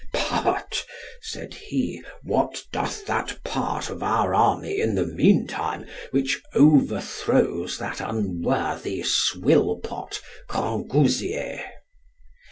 But, said he, what doth that part of our army in the meantime which overthrows that unworthy swillpot Grangousier?